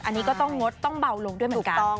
อันนี้ก็ต้องงดต้องเบาลงด้วยเหมือนกัน